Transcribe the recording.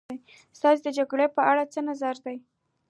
ستاسې د جګړې په اړه څه نظر دی.